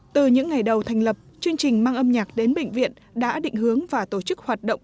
từ những ngày đầu thành lập chương trình mang âm nhạc đến bệnh viện đã định hướng và tổ chức hoạt động